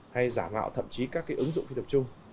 hay giả mạo thậm chí các cái ứng dụng khi tập trung